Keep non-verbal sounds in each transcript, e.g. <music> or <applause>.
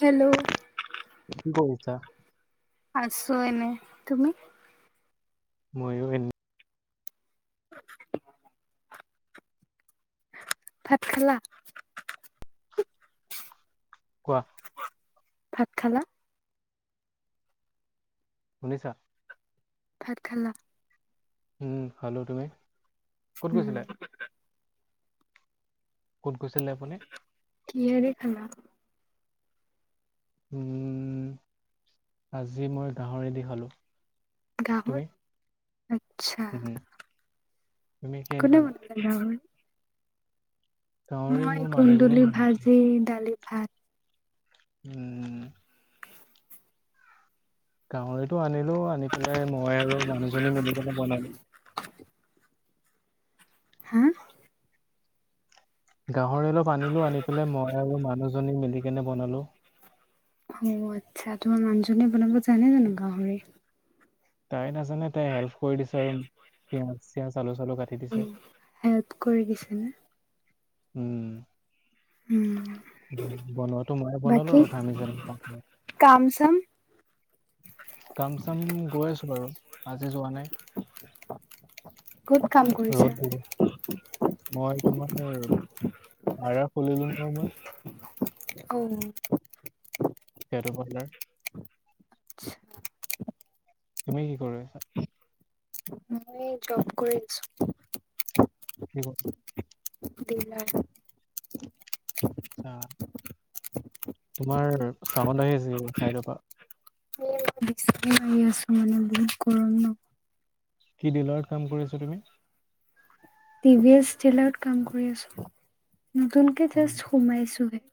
Hello কি কৰিছা আছো এনে তুমি মইও এনে <unintelligible> ভাত খালা কোৱা ভাত খালা শুনিছা ভাত খালা উম খালো তুমি, ক'ত উম গৈছিলা ক'ত গৈছিলে আপুনি কিহেৰে খালা উম আজি মই গাহৰি দি খালো তুমি? গাহৰি আচ্ছা উম, তুমি কিহেদি কোনে খালা? বনালে গাহৰি গাহৰি মই মোৰ মানুহজনী কুন্দুলি বনাইছিলে ভাজি দালি ভাত উম গাহৰিতো আনিলো আনি পেলাই মই আৰু মানুহজনী মিলি কেনে বনালো হা গাহৰি অলপ আনিলো আনি পেলাই মই আৰু মানুহজনী মিলি কেনে বনালো অ আচ্ছা তোমাৰ মানুহজনীয়ে বনাব জানে জানো গাহৰি তাই নাজানে তাই হেল্প কৰি দিছে আৰু পিয়াঁজ চিয়াজ আলু চালু কাটি দিছে উম, হেল্প কৰি দিছেনে উম উম বনোৱাটো মইয়ে বনালো বাকী আৰু ঘামি জামি কাম চাম কাম চাম গৈ আছো বাৰু আজি যোৱা নাই ক'ত কাম কৰিছা ৰ'দ বহুত মই তোমাৰ আড়া খুলিলো নহয় মই অ ম সেইটো বহেলাৰ <unintelligible> তুমি কি কৰি আছা? মই এ জব কৰি আছো। <unintelligible> দিলাৰ। আৰ্টচা। তোমাৰ চাউণ্ড আহি আছে চাইডৰ পৰা। আহি আছো মানে বহুত গৰম ন। কি ডিলাৰত কাম কৰি আছা তুমি? টি ভি এছ ডিলাৰত কাম কৰি আছো নতুনকে হয় জাষ্ট নেকি? সোমাইছোহে।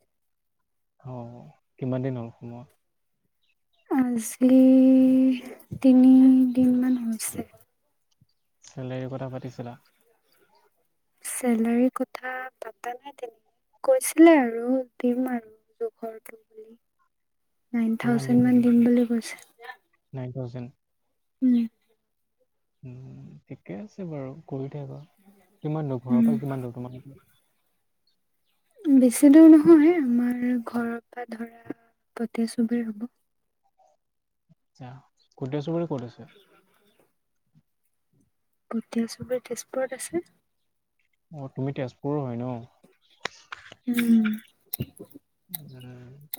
অ কিমান দিন হ'ল সোমোৱা? আজি তিনি দিন মান হৈছে। চেলেৰীৰ কথা পাতিছিলা? চেলাৰী কথা পাতা নাই তেনেক। কৈছিলে আৰু দিম আৰু জোখৰ টো বুলি। নাইন কিমান দিন থাউজেণ্ড হ'ল মান দিম বুলি কৈছে। Nine thousand? উম। উম, ঠিকে আছে বাৰু কৰি থাকা কিমান দূৰ ঘৰৰ পৰা কিমান দূৰ তোমাৰ? বেছি দূৰ নহয় আমাৰ ঘৰৰ পৰা ধৰা <unintelligible> <unintelligible> হ'ব। আৰ্টচা <unintelligible> ক'ত আছে? <unintelligible> <unintelligible> তেজপুৰত আছে। অ তুমি তেজপুৰৰ হয় ন? উম। উম।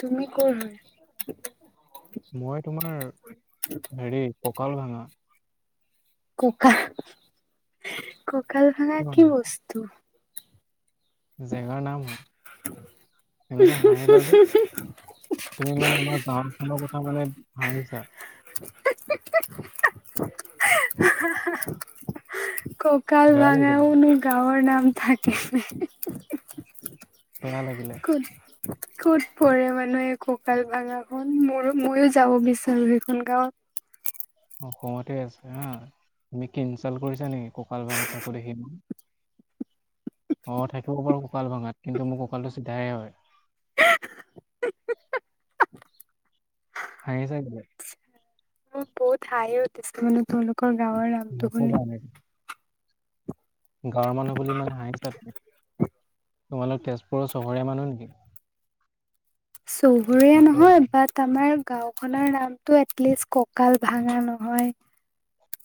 তুমি কৰ হয়? মই তোমাৰ হেৰি ককাল ভাঙা। ককা ককাল ভাঙা কি বস্তু? জেগাৰ নাম হয়। এনেকে হাঁহিলা যে তুমি মানে আমাৰ গাঁৱত খনৰ কথা মানে হাঁহিছা। ককাল বেয়া লাগিলে ভঙাও ন গাঁওৰ নাম থাকে নে? বেয়া লাগিলে কোন। ক'ত পৰে মানে এই ককাল ভাঙাখন মোৰো ময়ো যাব বিচাৰো সেইখন গাঁৱত। অসমতে আছে হা তুমি কি ইনঞ্চাল কৰিছা নেকি কঁকাল ভঙা <unintelligible> অঁ, থাকিব পাৰো ককাল ভাঙাত কিন্তু মোৰ ককালটো চিধাই হয়। হা হা। হাঁহিছা কেলে? মোৰ বহুত হাঁহি উঠছে মানে তোমলোকৰ গাওঁৰ নামটো নকবা শুনি। এনেকে গাঁৱৰ মানুহ বুলি ইমান হাঁহিছা কেলে? তোমালোক তেজপুৰৰ চহৰীয়া মানুহ নেকি? চহৰীয়া নকবা নহয়। তাত আমাৰ গাওখনৰ নামটো এটলিষ্ট ককাল ভাঙা নহয়।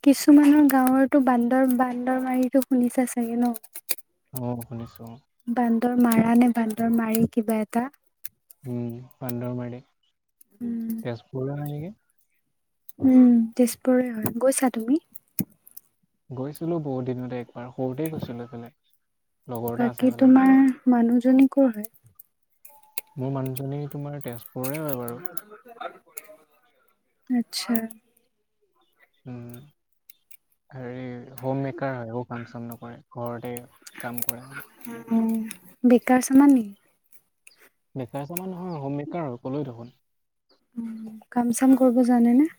কিছুমানৰ গাঁৱতো বান্দৰ বান্দৰ মাৰিটো শুনিছা চাগে ন? অঁ, শুনিছো। বান্দৰ মাৰা নে বান্দৰ মাৰি কিবা এটা। উম বান্দৰ মাৰি উম তেজপুৰ হয় নেকি? উম তেজপুৰৰে হয়, গৈছা তুমি? গৈছিলো বহুত দিনতে একবাৰ সৰুতে গৈছিলো সেইফালে লগৰ এটা আছে বাকী সেইফালে মোৰ। তোমাৰ মানুহজনী কৰ হয়? মোৰ মানুহজনী তোমাৰ তেজপুৰ আচ্ছা। উম। হেৰী হোম মেকাৰ হয় একো কাম চাম নকৰে ঘৰতে কাম কৰে। উম, বেকাৰ চামান নেকি? বেকাৰ চামান নহয় হোম মেকাৰ হয় ক'লোৱে দেখোন। উম, কাম চাম কৰিব জানেনে?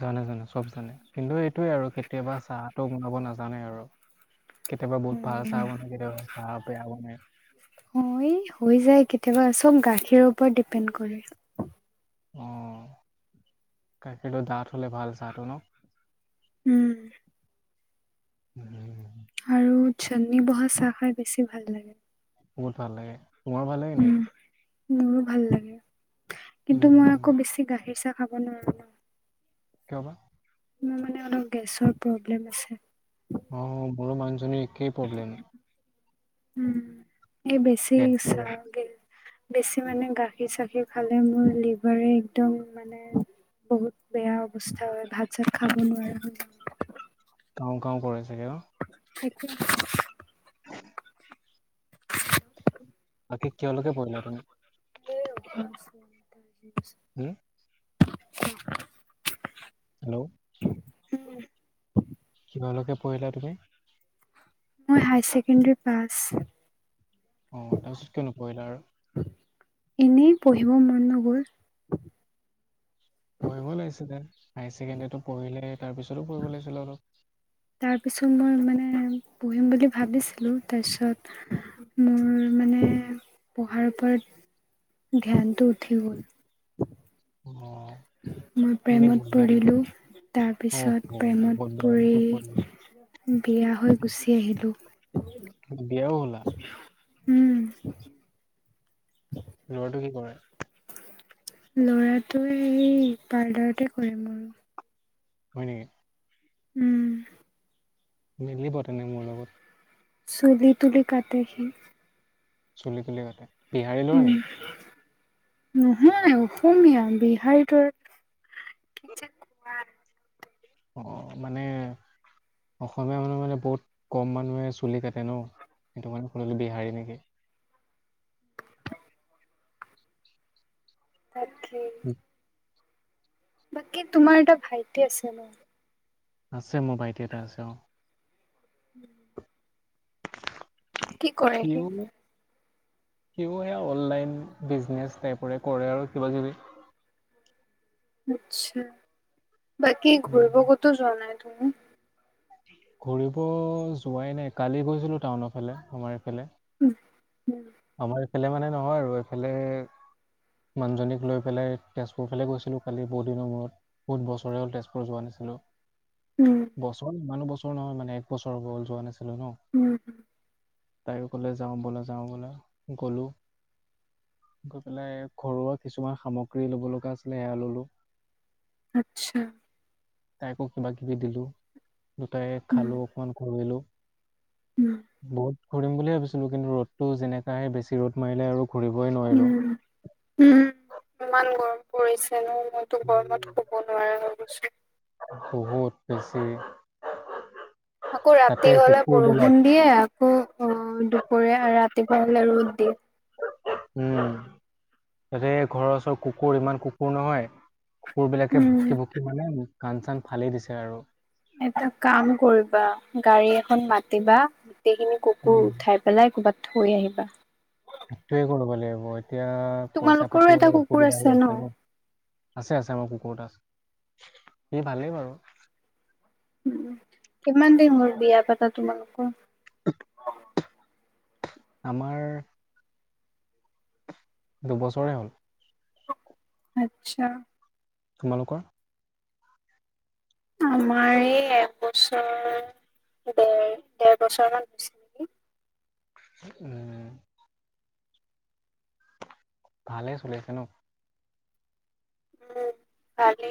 জানে জানে চব জানে কিন্তু এইটোৱে আৰু কেতিয়াবা চাহটো বনাব নাজানে আৰু। কেতিয়াবা বহুত ভাল চাহ বনাই কেতিয়াবা চাহ বেয়া বনাই। অ এই হৈ যায় কেতিয়াবা চব গাখীৰৰ ওপৰত ডিপেণ্ড কৰে। অঁহ গাখীৰটো ডাঠ হ'লে ভাল চাহটো ন? উম। উম। আৰু চেন্নি বহা চাহ খাই বেছি ভাল লাগে। বহুত ভাল লাগে। তোমাৰো ভাল লাগে উম নেকি? মোৰো ভাল লাগে। কিন্তু মই উম, আকৌ বেছি গাখীৰ চাহ খাব নোৱাৰোঁ ন। কিয় বা? মোৰ মানে অলপ গেছৰ প্ৰব্লেম আছে। অ মোৰো মানুহজনীৰ একেই প্ৰব্লেম। উম, এই বেছি গেছৰে চাহ বেছি মানে গাখীৰ চাখীৰ খালে মোৰ লিভাৰে একদম মা মানে বহুত বেয়া অৱস্থা হয় ভাত চাত খাব নোৱাৰা হয় যাওঁ। কাঁও কাঁও কৰে চাগে ন'? তাকে। <unintelligible> বাকী কিহৰ লৈকে পঢ়িলা তুমি? <unintelligible> হোম? হেল্ল' কিহৰ লৈকে পঢ়িলা তুমি? মই হাই ছেকেণ্ডেৰী পাছ। অ তাৰপিছত কিয় নপঢ়িলা আৰু? এনেই পঢ়িব মন নগ'ল। পঢ়িব লাগিছিলে। হাই ছেকেণ্ডেৰীটো পঢ়িলাই তাৰপিছতো পঢ়িব লাগিছিলে অলপ। তাৰপিছত মই মানে পঢ়িম বুলি ভাবিছিলোঁ তাৰপিছত মোৰ মানে পঢ়াৰ ওপৰত ধ্যানটো উঠি গ'ল। অহ। মই প্ৰেমত পৰিলোঁ। অ তাৰপিছত বহুত প্ৰেমত বেয়া হোৱাৰ পৰি পিছত পৰিল বিয়া হৈ গুছি আহিলোঁ। বিয়াও হ'লা। উম। লৰাটো কি কৰে? ল'ৰাটোৱে এই পাৰ্লাৰতে কৰে মোৰ। হয় নেকি। উম। মিলিব তেনে মোৰ লগত। চুলি তুলি কাতে সি। চুলি তুলি কাতে, বিহাৰী লৰা উম নেকি? নহয়, অসমীয়া বিহাৰি টোৰ উ। <unintelligible> অ', মানে। অসমীয়া মানুহে মানে বহুত কম মানুহে চুলি কাটে ন। সেইটো কাৰণে খুধিলো বিহাৰী নেকি। তাকে। বাকী তোমাৰ এটা ভাইটি আছে ন? আছে মোৰ বাইটি এটা আছে অঁ। <unintelligible> কি কৰে সি সিউ <unintelligible> সিও সেয়া অনলাইন বিজনেছ টাইপৰে কৰে আৰু কিবা কিবি। আচ্ছা। বাকী কিবি ঘূৰিব কতো যোৱা নাই তুমি। ঘূৰিব যোৱাই নাই কালি গৈছিলোঁ টাউনৰ ফালে আমাৰ এই ফালে। উ। আমাৰ এইফালে মানে নহয় আৰু এইফালে মানুহজনীক লৈ পেলাই তেজপুৰ ফালে গৈছিলোঁ কালি বহুদিনৰ মূৰত। বহুত বছৰেই হল তেজপুৰত যোৱা নাছিলোঁ। উম। বছৰ, ইমানো বছৰ নহয় মানে এক বছৰ হ, যোৱা নাছিলো ন। উম, তাইয়ো ক'লে যাওঁ বোলে যাওঁ বোলে গ'লো। গৈ পেলাই ঘৰুৱা কিছুমান সামগ্ৰী ল'ব লগা আছিলে এয়া ললো। আচ্ছা। তাইকো কিবা কিবি দিলো দুটাই উম খালো অকমান ঘূৰিলোঁ। উম বহুত ঘূৰিম বুলিয়ে ভাবিছিলোঁ কিন্তু ৰ'তটো যেনেকা হে বেছি ৰ'দ মাৰিলে আৰু ঘূৰিবই নোৱাৰিলো। উম উম ইমান গৰম পৰিছে ন মই বহুত বেছি। <unintelligible> আকৌ তাতে ৰাতি হলে কুকুৰ বিলাক বৰষুণ দিয়ে আকৌ অ দুপৰীয়া ৰাতিপুৱা হলে ৰ'দ দিয়ে। উম তাতে ঘৰৰ ওচৰত কুকুৰ ইমান কুকুৰ নহয়। কুকুৰ বিলাকে ভকি ভকি মানে কাণ চান ফালি দিছে আৰু। এটা কাম কৰিবা গাড়ী এখন মাতিবা গোটেইখিনি কুকুৰ উম উঠাই পেলাই ক'ৰবাত থৈ আহিবা। সেইটোৱে কৰিব লাগিব এতিয়া পইচা তোমালোকৰো পাতি অ এটা কুকুৰ অসুবিধা হৈ আছে ন। আছে আছে আমাৰ কুকুৰটো আছে সেই ভালেই বাৰু। উ কিমান দিন হল বিয়া পাতা তোমালোকৰ? <unintelligible> আমাৰ দুবছৰে হ'ল। আচ্ছা। তোমালোকৰ? আমাৰ এই একবছৰ দেৰ দেৰ বছৰ মান হৈছে। নেকি। উম। ভালে চলি আছে ন। উম ভালে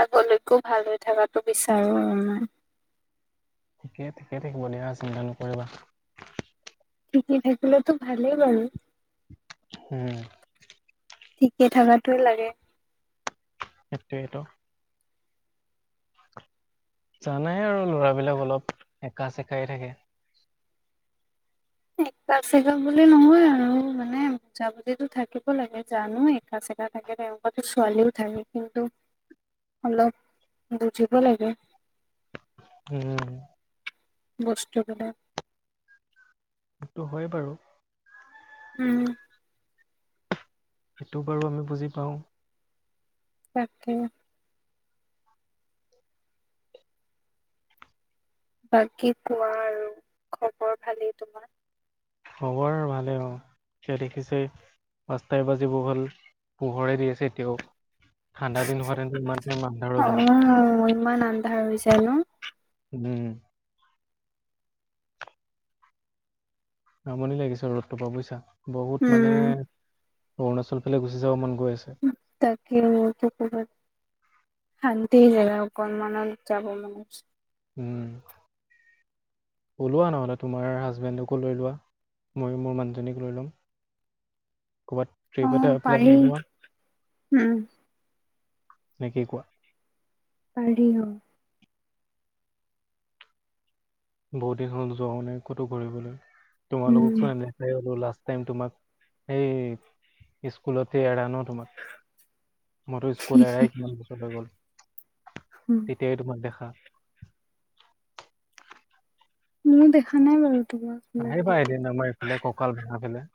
আগলৈকেও ভাল হৈ থকাটো বিচাৰো আৰু মই। ঠিকে ঠিকে থাকিব দিয়া চিন্তা নকৰিবা। ঠিকেই থাকিলেতো ভালেই বাৰু। হম। ঠিকেই থাকাতোৱে লাগে সেইটোৱে ত জানাই আৰু ল'ৰাবিলাক অলপ একা চেকাই থাকে এক টা চাইদৰ বুলি নহয় আৰু মানে বুজাবুজিটো থাকিব লাগে জানো একা চেকা থাকে তেওঁলোকৰ টো ছোৱালীও থাকে কিন্তু অলপ' বুজিব লাগে উম বস্তুবিলাক সেইটো হয় বাৰু। উম। সেইটো বাৰু আমি বুজি পাওঁ। তাকে বাকী কোৱা আৰু খবৰ ভালেই তোমাৰ খবৰ ভালে অ সে দেখিছেই পাঁচটাই বাজিব হ'ল পোহৰে দি আছে এতিয়াও ঠাণ্ডা দিন হোৱা তেন্ত ইমান টাইম আন্ধাৰ অ হৈ গল ইমান আন্ধাৰ হৈ যায় হয় ন উম আমনি লাগিছে ৰ'দটোৰ পৰা বুইছা বহুত মানে উম অৰুণাচল ফালে গুচি যাব মান গৈ আছে তাকে মোৰতো পোহত শান্তি জেগা অকণমানত যাব মন গৈছে উম ওলোৱা নহ'লে তোমাৰ হাজবেণ্ডকো লৈ লোৱা মইয়ো মোৰ মানুহজনীক লৈ ল'ম ক'ৰবাত ট্ৰিপ অ এটা প্লেন পাৰি বনোৱা উম নে কি কোৱা পাৰি অ বহুত দিন হ'ল যোৱাও নাই ক'তো ঘূৰিবলৈ উম তোমালোকতো এনে হ'লেও লাষ্ট টাইম তোমাক সেই স্কুলতে এৰা ন তোমাক মইত স্কুল এৰাই কিমান বছৰ হৈ গ'ল হুম তেতিয়াই তোমাক দেখা ময়ো দেখা নাই বাৰু তোমাক ইমান আহিবা দিনে এদিন আমাৰ এফালে কঁকাল ভঙা ফালে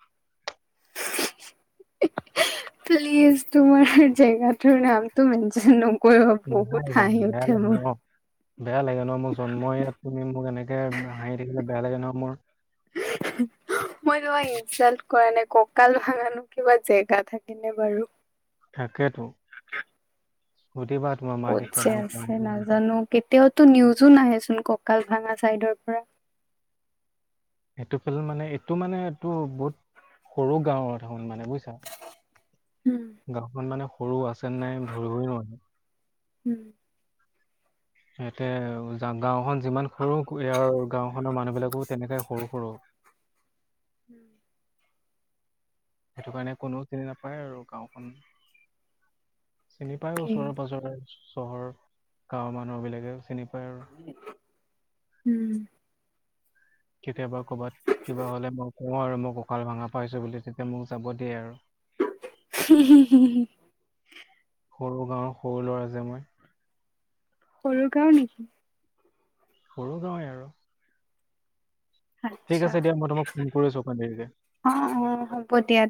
প্লিজ তোমাৰ জেগাটোৰ নামটো মেনচন ন কয় বহুত নাহাঁহিবা হাঁহি বেয়া উঠে লাগে ন মোৰ বেয়া লাগে ন মোৰ জন্ম ইয়াত তুমি মোক এনেকে হাঁহি থাকিলে বেয়া লাগে ন মোৰ। <unintelligible> মই তোমাক ইনচালট কৰা নাই কঁকাল ভাঙানো কিবা জেগা থাকে নে বাৰু? থাকেতো সুধিবা তোমাৰ মা ক'ত দেউতা যে আছে ডাঙৰছে <unintelligible> নাজানো কেতিয়াওতো নিউজো নাহে চোন ককাল ভাঙা চাইডৰ পৰা। সেইটো ফালে মানে এইটো মানে এইটো টোৰ বহুত সৰু গাঁৱত এন মানে বুজিছা? উম। গাঁওখন মানে সৰু আছে নাই ধৰিবই নোৱাৰি। উম। ইহতে গাওখনন যিমান সৰু ইয়াৰ গাও খনৰ মানুহ বিলাকো তেনেকে সৰু সৰু। উম। সেইটো কাৰণে কোননেও চিনি নাপায় আৰু গাওখন চিনি পায় অকে ওচৰৰেৰে পাজৰেৰে। চহৰ গাঁওৰ মানুহ বিলাকেও চিনি পায়। আৰু উম। কেতিয়াবা কৰ'বাত কিবা হ'লে মই কওঁ আৰু মোক কঁকাল ভাঙা পাইছো বুলি তেতিয়া মোক যাব দিয়ে আৰু। হী শী সি। সৰু গাঁৱৰ সৰু ল'ৰাযে মই। সৰু গাও নেকি? সৰু গাঁৱে আৰু। ঠিক আচ্ছা আছে দিয়া মই তোমাক ফোন কৰি আছো আপান দেৰি যে। অ অ হ'ব দিয়া।